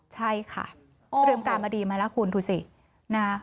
ใช่ค่ะเตรียมการมาดีมาแล้วคุณดูสินะ